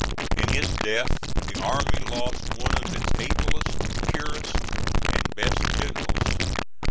In his death the army lost one of its ablest, purest and best generals.